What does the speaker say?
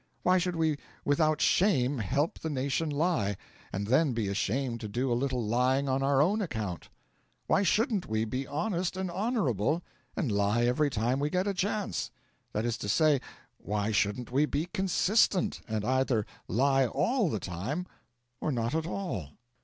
Why should we without shame help the nation lie, and then be ashamed to do a little lying on our own account? Why shouldn't we be honest and honourable, and lie every time we get a chance? That is to say, why shouldn't we be consistent, and either lie all the time or not at all?